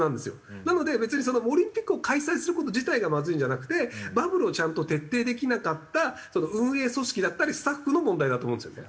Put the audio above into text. なので別にオリンピックを開催する事自体がまずいんじゃなくてバブルをちゃんと徹底できなかったその運営組織だったりスタッフの問題だと思うんですよね。